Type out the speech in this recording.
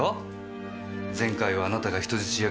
前回はあなたが人質役